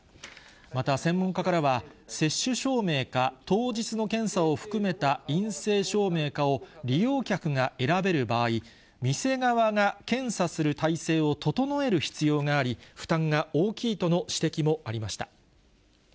また専門家からは、接種証明か当日の検査を含めた陰性証明かを利用客が選べる場合、店側が検査する体制を整える必要があり、負担が大きいとの指摘もありました。